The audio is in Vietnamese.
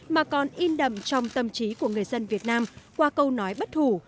mà còn in đậm trong tâm trí của người dân việt nam qua câu nói bất thủ